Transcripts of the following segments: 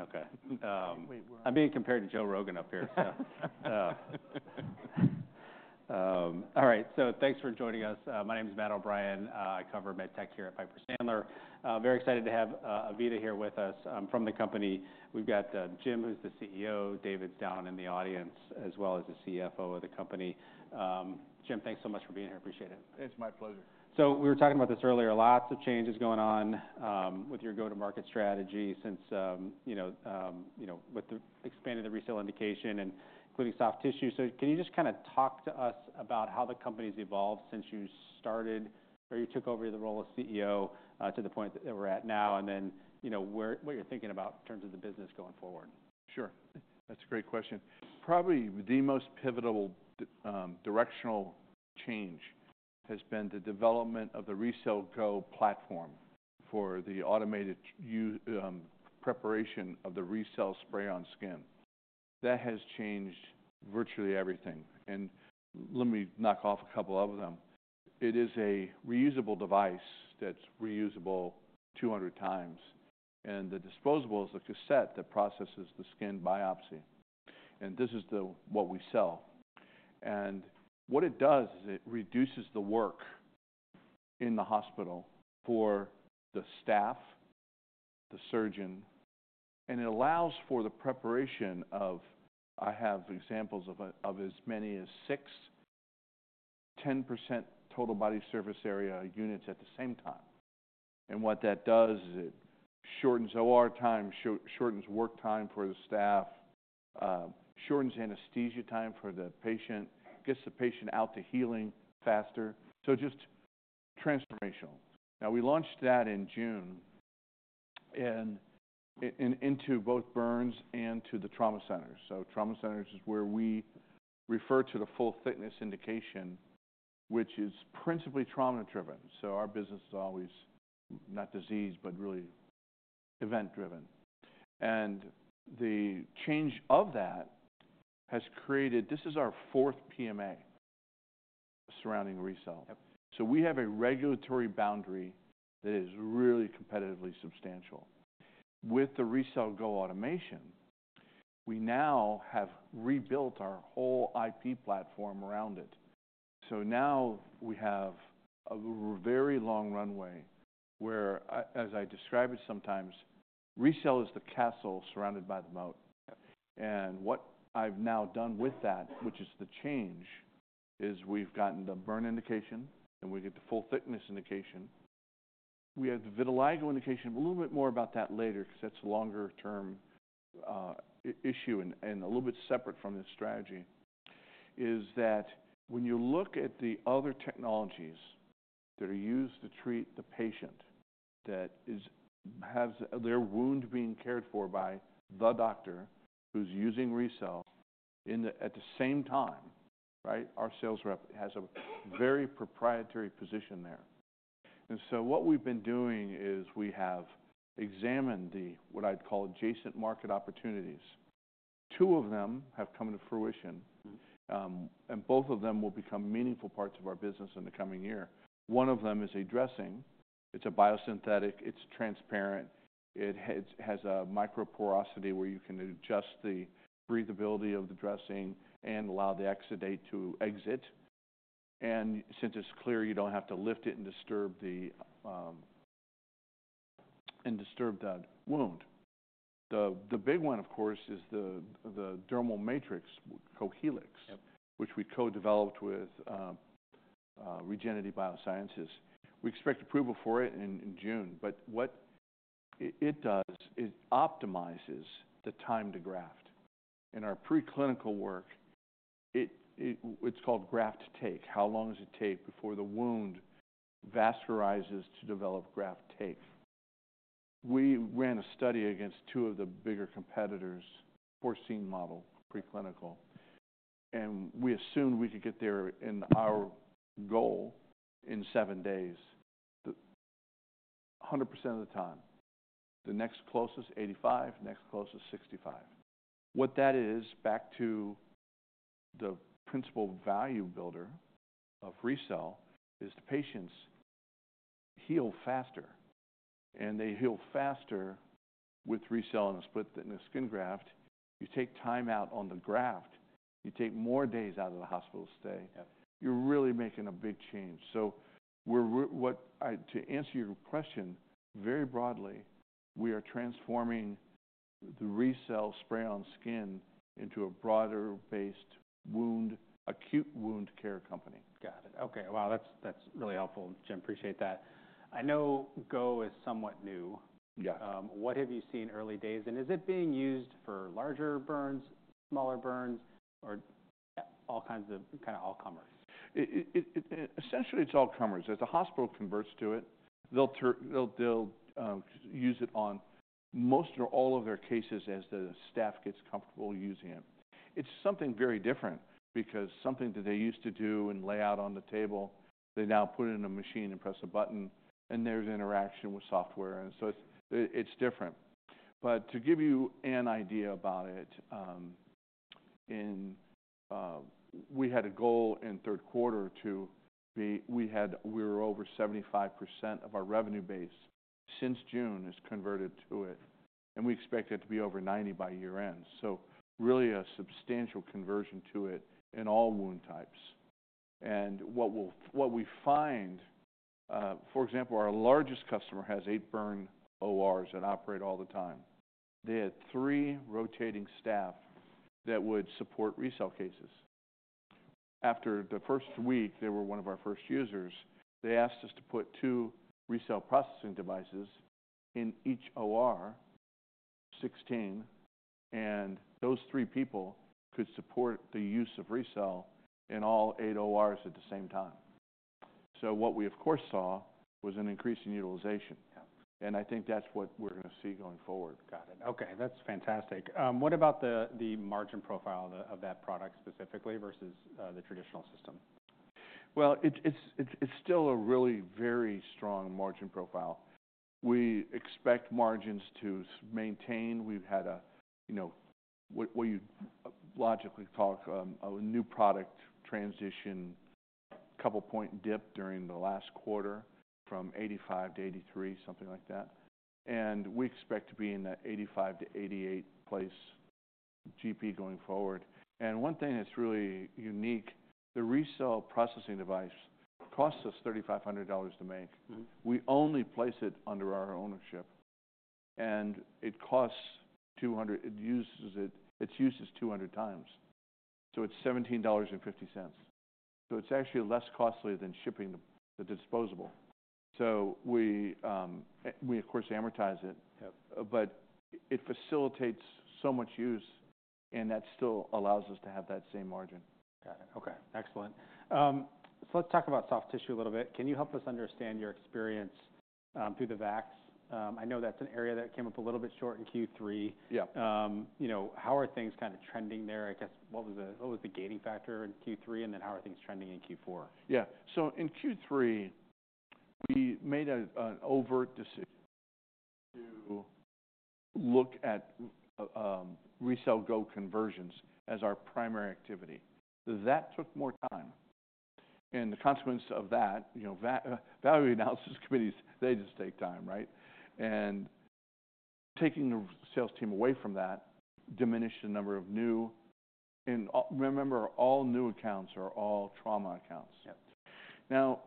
Okay. I'm being compared to Joe Rogan up here, so. All right. So, thanks for joining us. My name is Matt O'Brien. I cover med tech here at Piper Sandler. Very excited to have AVITA here with us from the company. We've got Jim, who's the CEO. David's down in the audience, as well as the CFO of the company. Jim, thanks so much for being here. Appreciate it. It's my pleasure. So we were talking about this earlier. Lots of changes going on with your go-to-market strategy since with the expanding the RECELL indication and including soft tissue. So can you just kind of talk to us about how the company's evolved since you started or you took over the role of CEO to the point that we're at now, and then what you're thinking about in terms of the business going forward? Sure. That's a great question. Probably the most pivotal directional change has been the development of the RECELL GO platform for the automated preparation of the RECELL spray-on skin. That has changed virtually everything, and let me knock off a couple of them. It is a reusable device that's reusable 200x, and the disposable is a cassette that processes the skin biopsy. And this is what we sell, and what it does is it reduces the work in the hospital for the staff, the surgeon, and it allows for the preparation of. I have examples of as many as six 10% total body surface area units at the same time. And what that does is it shortens OR time, shortens work time for the staff, shortens anesthesia time for the patient, gets the patient out to healing faster, so just transformational. Now, we launched that in June into both burns and to the trauma centers. So trauma centers is where we refer to the full-thickness indication, which is principally trauma-driven. So our business is always not disease, but really event-driven. And the change of that has created this. This is our fourth PMA surrounding RECELL. So we have a regulatory boundary that is really competitively substantial. With the RECELL GO automation, we now have rebuilt our whole IP platform around it. So now we have a very long runway where, as I describe it sometimes, RECELL is the castle surrounded by the moat. And what I've now done with that, which is the change, is we've gotten the burn indication, and we get the full-thickness indication. We have the vitiligo indication. A little bit more about that later because that's a longer-term issue and a little bit separate from this strategy is that when you look at the other technologies that are used to treat the patient that has their wound being cared for by the doctor who's using RECELL at the same time, right, our sales rep has a very proprietary position there, and so what we've been doing is we have examined what I'd call adjacent market opportunities. Two of them have come to fruition, and both of them will become meaningful parts of our business in the coming year. One of them is a dressing. It's a biosynthetic. It's transparent. It has a microporosity where you can adjust the breathability of the dressing and allow the exudate to exit, and since it's clear, you don't have to lift it and disturb the wound. The big one, of course, is the dermal matrix Cohealyx, which we co-developed with Regenity Biosciences. We expect approval for it in June. But what it does is optimizes the time to graft. In our preclinical work, it's called graft take. How long does it take before the wound vascularizes to develop graft take? We ran a study against two of the bigger competitors, 14 model preclinical. And we assumed we could get there in our goal in seven days, 100% of the time. The next closest, 85%. Next closest, 65%. What that is, back to the principal value builder of RECELL, is the patients heal faster. And they heal faster with RECELL and a split-thickness skin graft. You take time out on the graft. You take more days out of the hospital stay. You're really making a big change. To answer your question, very broadly, we are transforming the RECELL spray-on skin into a broader-based acute wound care company. Got it. Okay. Wow, that's really helpful, Jim. Appreciate that. I know Go is somewhat new. What have you seen early days? And is it being used for larger burns, smaller burns, or all kinds of kind of all-comers? Essentially, it's all-comers. As the hospital converts to it, they'll use it on most or all of their cases as the staff gets comfortable using it. It's something very different because something that they used to do and lay out on the table, they now put it in a machine and press a button, and there's interaction with software. And so it's different. But to give you an idea about it, we had a goal in third quarter to be over 75% of our revenue base since June has converted to it. And we expect it to be over 90% by year-end. So really a substantial conversion to it in all wound types. And what we find, for example, our largest customer has eight burn ORs that operate all the time. They had three rotating staff that would support RECELL cases. After the first week, they were one of our first users. They asked us to put two RECELL processing devices in each OR, 16, and those three people could support the use of RECELL in all eight ORs at the same time. So what we, of course, saw was an increase in utilization. And I think that's what we're going to see going forward. Got it. Okay. That's fantastic. What about the margin profile of that product specifically versus the traditional system? It's still a really very strong margin profile. We expect margins to maintain. We've had a, what you'd logically call a new product transition, a couple-point dip during the last quarter from 85% to 83%, something like that. We expect to be in that 85%-88% GP place going forward. One thing that's really unique, the RECELL processing device costs us $3,500 to make. We only place it under our ownership. It costs $200. It's used 200 times. So it's $17.50. It's actually less costly than shipping the disposable. We, of course, amortize it. It facilitates so much use, and that still allows us to have that same margin. Got it. Okay. Excellent. So let's talk about soft tissue a little bit. Can you help us understand your experience through the VAC? I know that's an area that came up a little bit short in Q3. How are things kind of trending there? I guess, what was the gating factor in Q3? And then how are things trending in Q4? Yeah. So in Q3, we made an overt decision to look at RECELL GO conversions as our primary activity. That took more time, and the consequence of that, value analysis committees, they just take time, right? And taking the sales team away from that diminished the number of new, and remember, all new accounts are all trauma accounts. Now,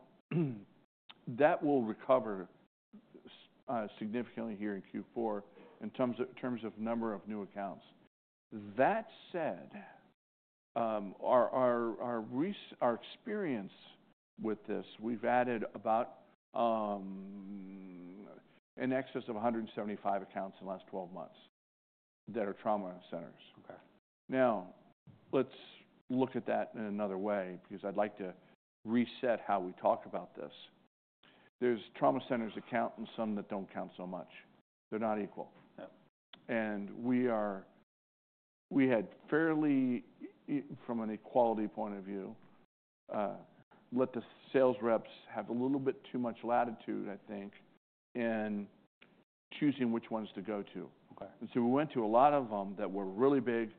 that will recover significantly here in Q4 in terms of number of new accounts. That said, our experience with this, we've added about an excess of 175 accounts in the last 12 months that are trauma centers. Now, let's look at that in another way because I'd like to reset how we talk about this. There's trauma centers that count and some that don't count so much. They're not equal. We had fairly, from an equity point of view, let the sales reps have a little bit too much latitude, I think, in choosing which ones to go to. We went to a lot of them that were really big.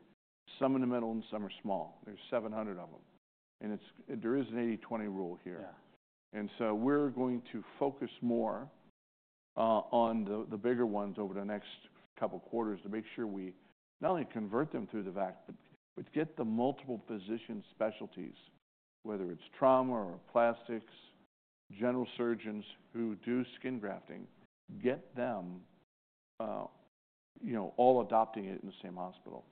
Some are in the middle and some are small. There's 700 of them. There is an 80/20 rule here. We're going to focus more on the bigger ones over the next couple of quarters to make sure we not only convert them through the VAC, but get the multiple physician specialties, whether it's trauma or plastics, general surgeons who do skin grafting, get them all adopting it in the same hospital.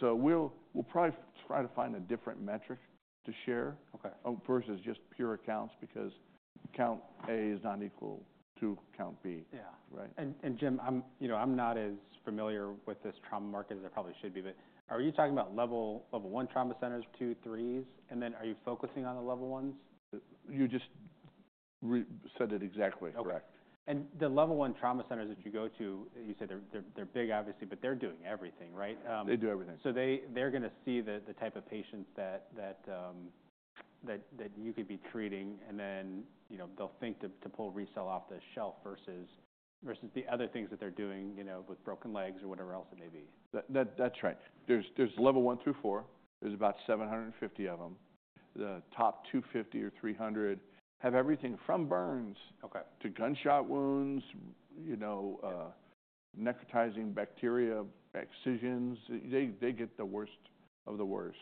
We'll probably try to find a different metric to share versus just pure accounts because count A is not equal to count B, right? And Jim, I'm not as familiar with this trauma market as I probably should be. But are you talking about level one trauma centers, two, threes? And then are you focusing on the level ones? You just said it exactly correct. The Level 1 trauma centers that you go to, you said they're big, obviously, but they're doing everything, right? They do everything. So they're going to see the type of patients that you could be treating, and then they'll think to pull RECELL off the shelf versus the other things that they're doing with broken legs or whatever else it may be. That's right. There's level one through four. There's about 750 of them. The top 250 or 300 have everything from burns to gunshot wounds, necrotizing bacteria, excisions. They get the worst of the worst.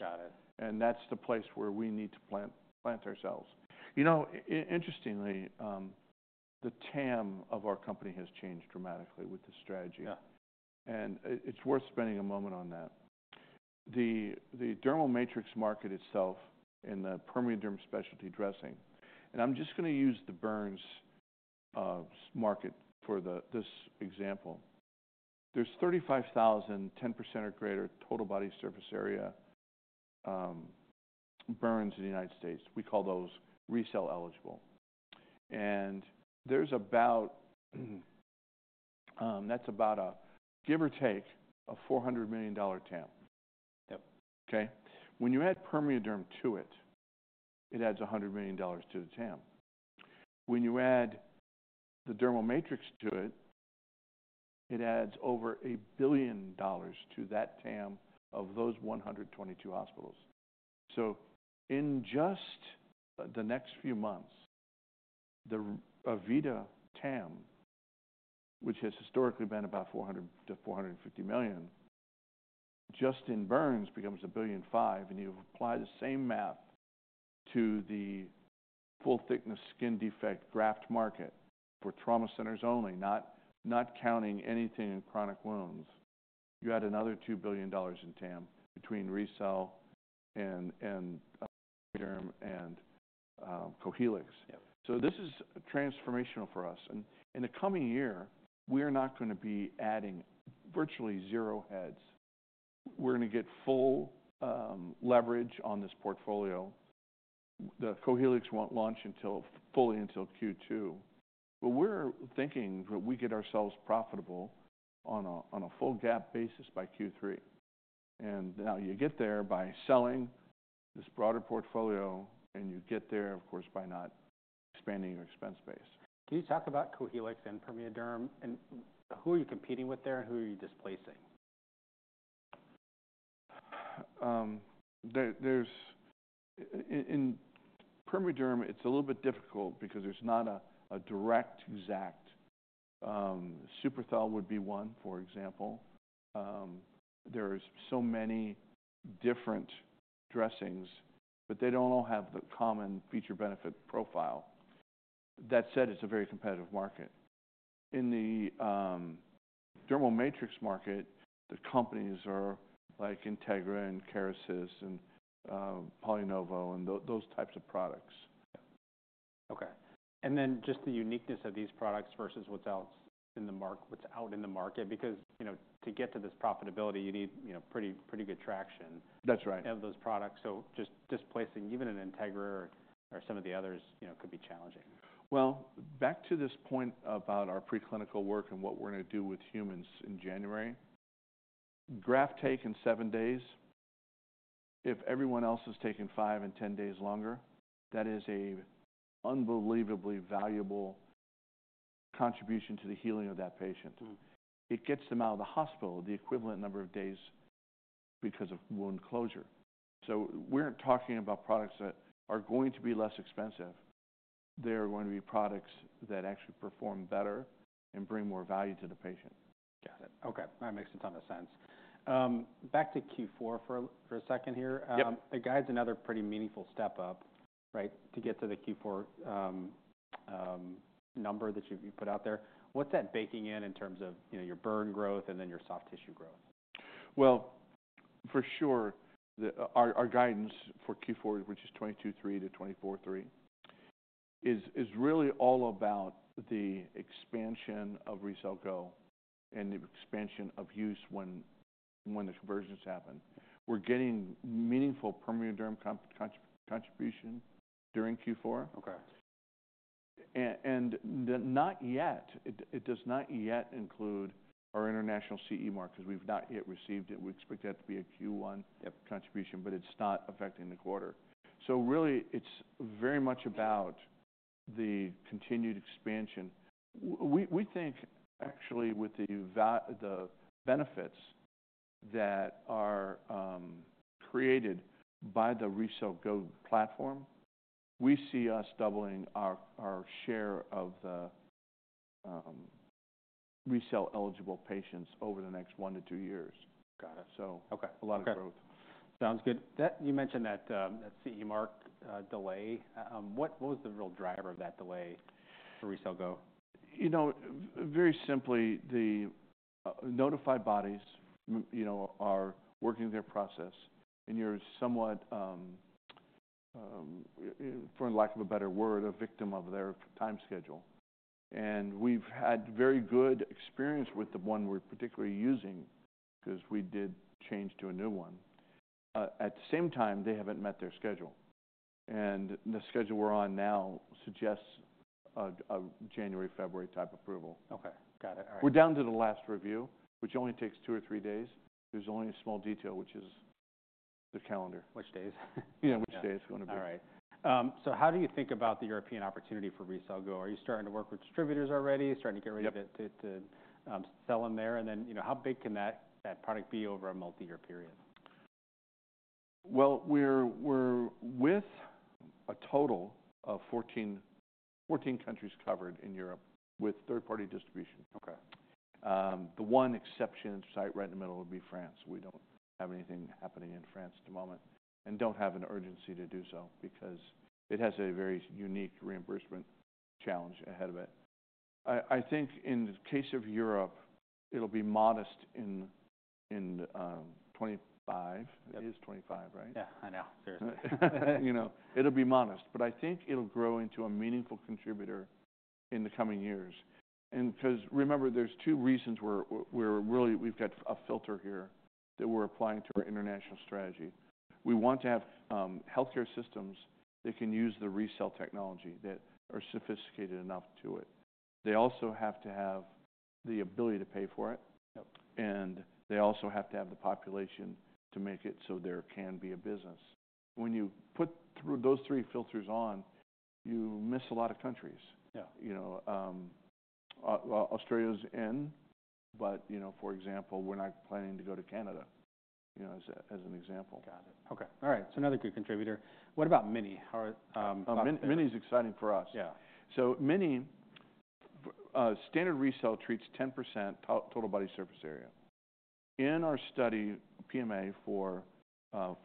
And that's the place where we need to plant ourselves. Interestingly, the TAM of our company has changed dramatically with this strategy. And it's worth spending a moment on that. The dermal matrix market itself and the PermeaDerm specialty dressing, and I'm just going to use the burns market for this example. There's 35,000 10% or greater total body surface area burns in the United States. We call those RECELL eligible. And that's about a give or take a $400 million TAM. Okay? When you add PermeaDerm to it, it adds $100 million to the TAM. When you add the dermal matrix to it, it adds over $1 billion to that TAM of those 122 hospitals. So in just the next few months, the AVITA TAM, which has historically been about $400 million-$450 million, just in burns becomes $1.5 billion. And you apply the same math to the full-thickness skin defect graft market for trauma centers only, not counting anything in chronic wounds. You add another $2 billion in TAM between RECELL and PermeaDerm and Cohealyx. So this is transformational for us. And in the coming year, we are not going to be adding virtually zero heads. We're going to get full leverage on this portfolio. The Cohealyx won't launch fully until Q2. But we're thinking that we get ourselves profitable on a full GAAP basis by Q3. Now you get there by selling this broader portfolio, and you get there, of course, by not expanding your expense base. Can you talk about Cohealyx and PermeaDerm? And who are you competing with there? And who are you displacing? In PermeaDerm, it's a little bit difficult because there's not a direct exact. Suprathel would be one, for example. There are so many different dressings, but they don't all have the common feature benefit profile. That said, it's a very competitive market. In the dermal matrix market, the companies are like Integra and Kerecis and PolyNovo and those types of products. Okay, and then just the uniqueness of these products versus what's out in the market because to get to this profitability, you need pretty good traction of those products, so just displacing even an Integra or some of the others could be challenging. Back to this point about our preclinical work and what we're going to do with humans in January, graft take in seven days, if everyone else is taking five and ten days longer, that is an unbelievably valuable contribution to the healing of that patient. It gets them out of the hospital the equivalent number of days because of wound closure. We're talking about products that are going to be less expensive. They are going to be products that actually perform better and bring more value to the patient. Got it. Okay. That makes a ton of sense. Back to Q4 for a second here. The guide's another pretty meaningful step up, right, to get to the Q4 number that you put out there. What's that baking in in terms of your burn growth and then your soft tissue growth? For sure, our guidance for Q4, which is 22/3 to 24/3, is really all about the expansion of RECELL GO and the expansion of use when the conversions happen. We're getting meaningful PermeaDerm contribution during Q4. It does not yet include our international CE Mark because we've not yet received it. We expect that to be a Q1 contribution, but it's not affecting the quarter. Really, it's very much about the continued expansion. We think, actually, with the benefits that are created by the RECELL GO platform, we see us doubling our share of the RECELL eligible patients over the next one to two years. A lot of growth. Sounds good. You mentioned that CE Mark delay. What was the real driver of that delay for RECELL GO? Very simply, the notified bodies are working their process, and you're somewhat, for lack of a better word, a victim of their time schedule. And we've had very good experience with the one we're particularly using because we did change to a new one. At the same time, they haven't met their schedule, and the schedule we're on now suggests a January, February type approval. Okay. Got it. All right. We're down to the last review, which only takes two or three days. There's only a small detail, which is the calendar. Which days? Yeah, which day it's going to be. All right, so how do you think about the European opportunity for RECELL GO? Are you starting to work with distributors already? Starting to get ready to sell them there, and then how big can that product be over a multi-year period? We're with a total of 14 countries covered in Europe with third-party distribution. The one exception site right in the middle would be France. We don't have anything happening in France at the moment and don't have an urgency to do so because it has a very unique reimbursement challenge ahead of it. I think in the case of Europe, it'll be modest in 2025. It is 2025, right? Yeah. I know. Seriously. It'll be modest, but I think it'll grow into a meaningful contributor in the coming years, and because remember, there's two reasons where we've got a filter here that we're applying to our international strategy. We want to have healthcare systems that can use the RECELL technology that are sophisticated enough to do it. They also have to have the ability to pay for it. And they also have to have the population to make it so there can be a business. When you put through those three filters on, you miss a lot of countries. Australia's in, but for example, we're not planning to go to Canada as an example. Got it. Okay. All right. So another good contributor. What about Mini? Mini's exciting for us. So RECELL GO Mini, standard RECELL treats 10% total body surface area. In our study, PMA for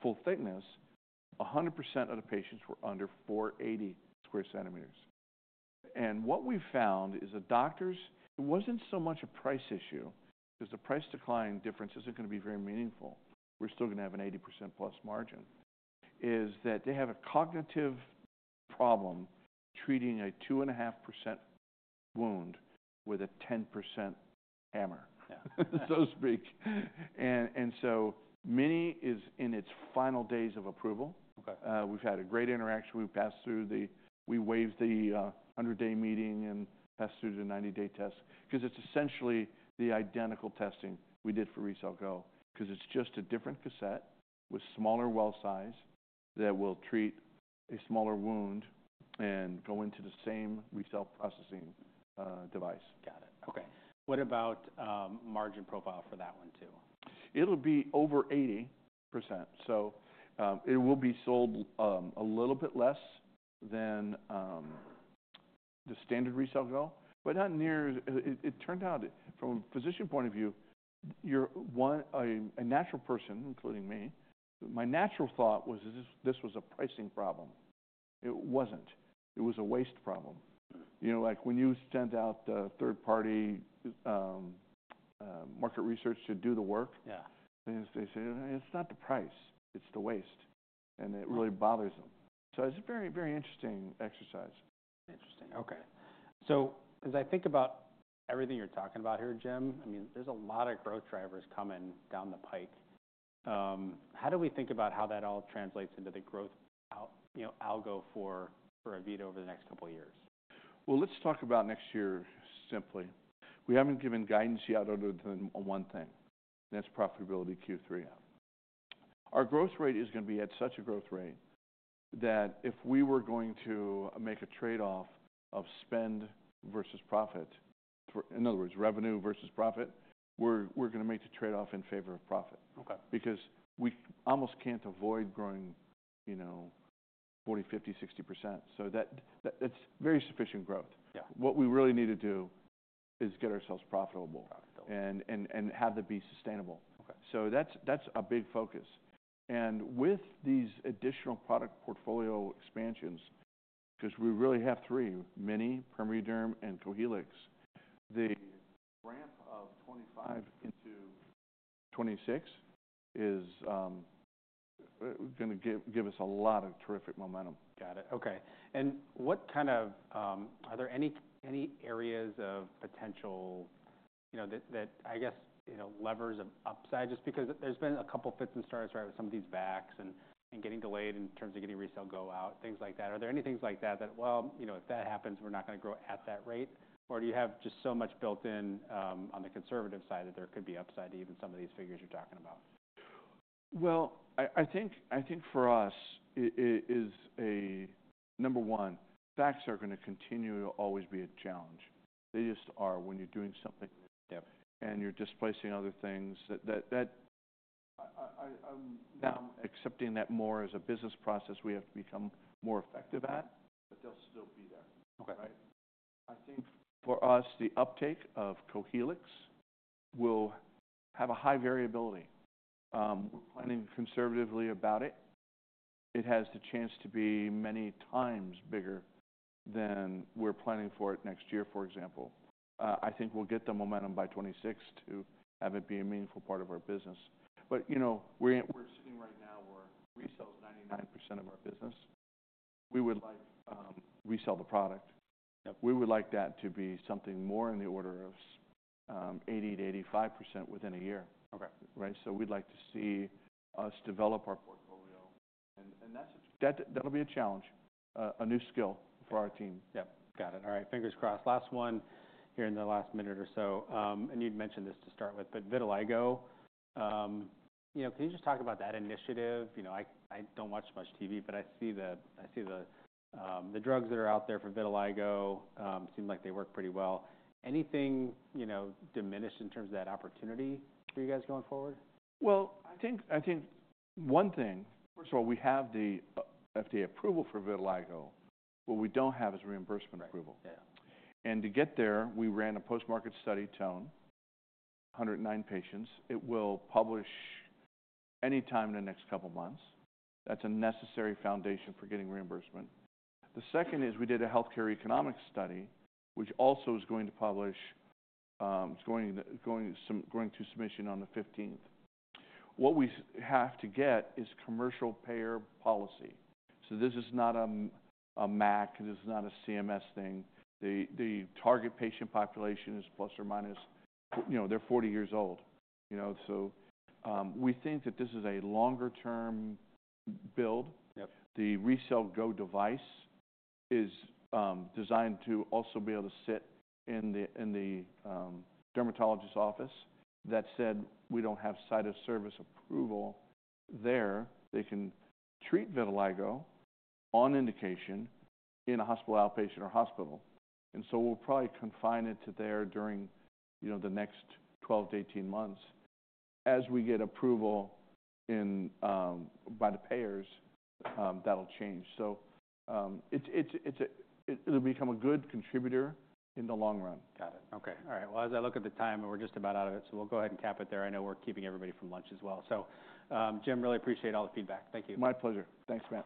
full thickness, 100% of the patients were under 480 square centimeters. And what we found is the doctors, it wasn't so much a price issue because the price decline difference isn't going to be very meaningful. We're still going to have an 80%+ margin. It's that they have a cognitive problem treating a 2.5% wound with a 10% hammer, so to speak. And so RECELL GO Mini is in its final days of approval. We've had a great interaction. We waived the 100-day meeting and passed through the 90-day test because it's essentially the identical testing we did for RECELL GO because it's just a different cassette with smaller well size that will treat a smaller wound and go into the same RECELL processing device. Got it. Okay. What about margin profile for that one too? It'll be over 80%. So it will be sold a little bit less than the standard RECELL GO, but not near. It turned out from a physician point of view, a natural person, including me, my natural thought was this was a pricing problem. It wasn't. It was a waste problem. When you send out the third-party market research to do the work, they say, "It's not the price. It's the waste." And it really bothers them. So it's a very, very interesting exercise. Interesting. Okay. So as I think about everything you're talking about here, Jim, I mean, there's a lot of growth drivers coming down the pike. How do we think about how that all translates into the growth algo for AVITA over the next couple of years? Well, let's talk about next year simply. We haven't given guidance yet other than one thing. That's profitability Q3. Our growth rate is going to be at such a growth rate that if we were going to make a trade-off of spend versus profit, in other words, revenue versus profit, we're going to make the trade-off in favor of profit because we almost can't avoid growing 40%, 50%, 60%. So that's very sufficient growth. What we really need to do is get ourselves profitable and have that be sustainable. So that's a big focus. And with these additional product portfolio expansions, because we really have three, Mini, PermeaDerm, and Cohealyx, the ramp of 2025 into 2026 is going to give us a lot of terrific momentum. Got it. Okay. And what kind of are there any areas of potential that I guess levers of upside just because there's been a couple of fits and starts with some of these VACs and getting delayed in terms of getting RECELL GO out, things like that. Are there any things like that that, well, if that happens, we're not going to grow at that rate? Or do you have just so much built in on the conservative side that there could be upside to even some of these figures you're talking about? I think for us, it is number one, VACs are going to continue to always be a challenge. They just are when you're doing something and you're displacing other things. Now I'm accepting that more as a business process we have to become more effective at, but they'll still be there. Right? I think for us, the uptake of Cohealyx will have a high variability. We're planning conservatively about it. It has the chance to be many times bigger than we're planning for it next year, for example. I think we'll get the momentum by 2026 to have it be a meaningful part of our business. But we're sitting right now where RECELL is 99% of our business. We would like RECELL the product. We would like that to be something more in the order of 80%-85% within a year. Right? So we'd like to see us develop our portfolio. And that'll be a challenge, a new skill for our team. Yep. Got it. All right. Fingers crossed. Last one here in the last minute or so. And you'd mentioned this to start with, but vitiligo. Can you just talk about that initiative? I don't watch much TV, but I see the drugs that are out there for vitiligo. Seems like they work pretty well. Anything diminished in terms of that opportunity for you guys going forward? I think one thing, first of all, we have the FDA approval for vitiligo. What we don't have is reimbursement approval. And to get there, we ran a post-market study on 109 patients. It will publish anytime in the next couple of months. That's a necessary foundation for getting reimbursement. The second is we did a healthcare economics study, which also is going to publish, going to submission on the 15th. What we have to get is commercial payer policy. So this is not a MAC. This is not a CMS thing. The target patient population is plus or minus. They're 40 years old. So we think that this is a longer-term build. The RECELL GO device is designed to also be able to sit in the dermatologist's office. That said, we don't have site of service approval there. They can treat vitiligo on indication in a hospital outpatient or hospital. And so we'll probably confine it to there during the next 12 to 18 months. As we get approval by the payers, that'll change. So it'll become a good contributor in the long run. Got it. Okay. All right. Well, as I look at the time, we're just about out of it. So we'll go ahead and cap it there. I know we're keeping everybody from lunch as well. So Jim, really appreciate all the feedback. Thank you. My pleasure. Thanks, Matt.